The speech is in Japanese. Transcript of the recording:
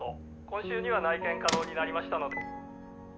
今週には内見可能になりました」